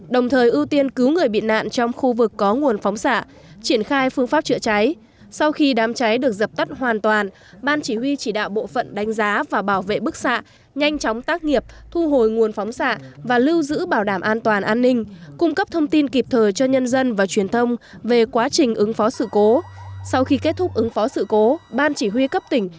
đồng thời ủy ban nhân dân tỉnh lâm đồng phối hợp cùng với ban chỉ huy ứng phó sự cố bức xạ và hạt nhân